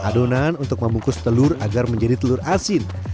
adonan untuk membungkus telur agar menjadi telur asin